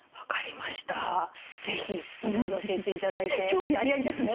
興味ありありですね？